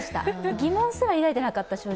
疑問すら抱いていなかった、正直。